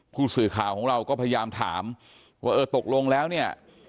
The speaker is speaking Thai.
ผู้สื่อข่าวของเราก็พยายามถามว่าเออตกลงแล้วเนี่ย